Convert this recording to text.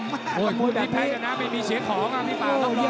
ไม่แพ้กันนะไม่มีเสียของอ่ะพี่ป่าต้องรอได้